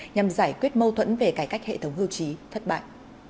nhằm giải quyết mâu thuẫn về cải cách hệ thống hưu trí thất bại